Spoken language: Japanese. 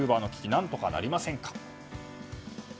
何とかなりませんか？